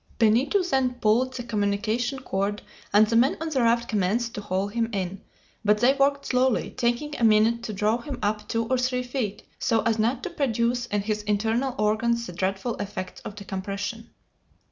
Benito then pulled the communication cord, and the men on the raft commenced to haul him in, but they worked slowly, taking a minute to draw him up two or three feet so as not to produce in his internal organs the dreadful effects of decompression.